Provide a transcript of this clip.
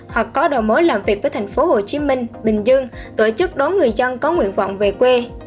hoặc có đầu mối làm việc với tp hồ chí minh bình dương tổ chức đón người dân có nguyện vọng về quê